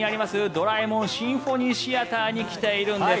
ドラえもん交響楽シアターに来ているんです。